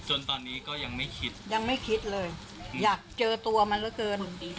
จนตอนนี้ก็ยังไม่คิดยังไม่คิดเลยอยากเจอตัวมันเหลือเกิน